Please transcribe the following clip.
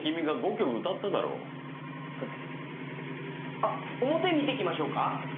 あっ表見てきましょうか？